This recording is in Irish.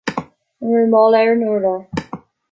An bhfuil mála ar an urlár